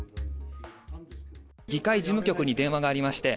議会事務局に電話がありまして